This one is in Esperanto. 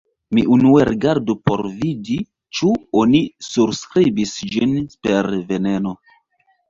Mi unue rigardu por vidi ĉu oni surskribis ĝin per veneno.